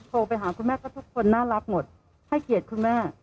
โทรไปหาคุณแม่ก็ทุกคนน่ารักหมดให้เกียรติคุณแม่